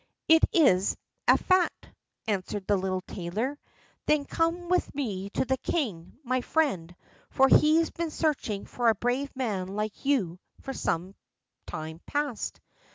"It is a fact," answered the little tailor. "Then come with me to the king, my friend, for he's been searching for a brave man like you for some time past.